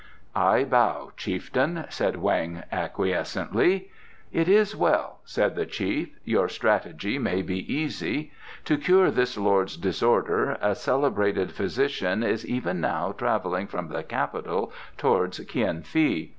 "I bow, chieftain," replied Weng acquiescently. "It is well," said the chief. "Your strategy will be easy. To cure this lord's disorder a celebrated physician is even now travelling from the Capital towards Kien fi.